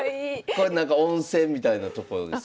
これ温泉みたいなところですか？